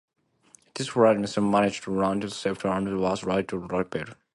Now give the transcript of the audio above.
The crippled plane managed to land safely and was later repaired.